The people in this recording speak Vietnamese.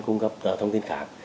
cung cấp thông tin khác